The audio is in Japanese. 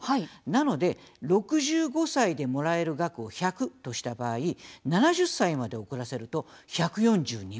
なので、６５歳でもらえる額を１００とした場合７０歳まで遅らせると１４２％。